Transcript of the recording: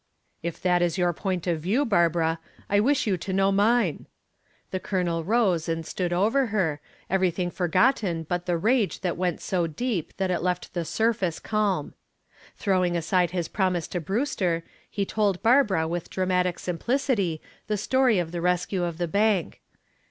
"If that is your point of view, Barbara, I wish you to know mine." The Colonel rose and stood over her, everything forgotten but the rage that went so deep that it left the surface calm. Throwing aside his promise to Brewster, he told Barbara with dramatic simplicity the story of the rescue of the bank.